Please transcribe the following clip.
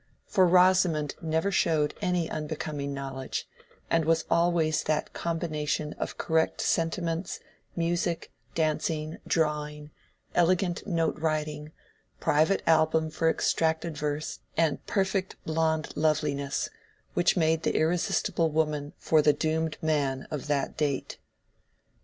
For Rosamond never showed any unbecoming knowledge, and was always that combination of correct sentiments, music, dancing, drawing, elegant note writing, private album for extracted verse, and perfect blond loveliness, which made the irresistible woman for the doomed man of that date.